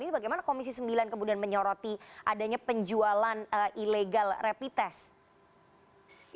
ini bagaimana komisi sembilan kemudian menyoroti adanya penjualan ilegal rapid test